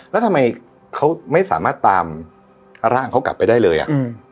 แล้วทำไมเขาไม่สามารถตามร่างเขากลับไปได้เลยอ่ะอืม